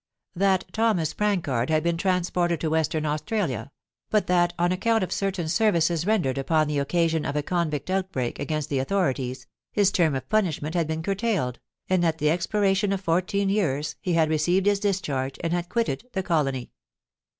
That Thomas Prancard had been transported to Western Australia, but that, on account of certain services rendered upon the occasion of a convict outbreak against the autho rities, his term of punishment had been curtailed, and at the expiration of fourteen years he had received his discharge and had quitted the colony.